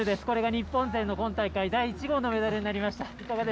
これが日本勢の今大会第１号のメダルになりました。